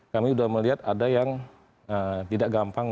kami sudah melihat ada yang tidak gampang